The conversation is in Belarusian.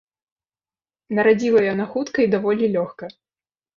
Нарадзіла яна хутка і даволі лёгка.